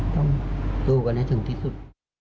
ต้องสู้กันให้ถึงที่สุด